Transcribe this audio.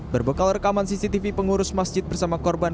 berbekal rekaman cctv pengurus masjid bersama korban